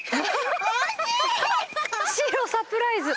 シロサプライズ！